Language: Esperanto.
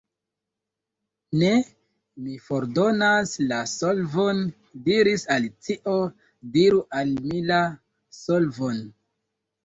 "Ne, mi fordonas la solvon," diris Alicio. "Diru al mi la solvon."